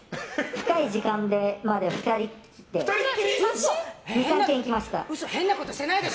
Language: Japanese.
深い時間まで２人きりで。